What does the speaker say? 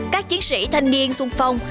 các chiến sĩ thanh niên xuân phong